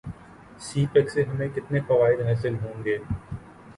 سی pack سے ہمیں کتنے فوائد حاصل ہوں گے